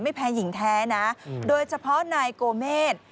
ไม่แพ้หญิงแท้นะโดยเฉพาะนายโกเมษ